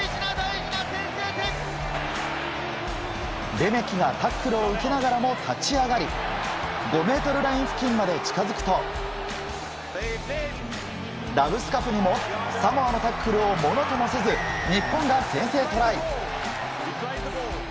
レメキがタックルを受けながらも立ち上がり５ｍライン付近まで近づくとラブスカフニにもサモアのタックルをものともせず、日本が先制トライ。